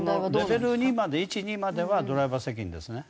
レベル２まで１２まではドライバー責任ですね。